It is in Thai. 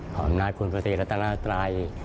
ขอบรรณาคุณภาษีรัตนาศัย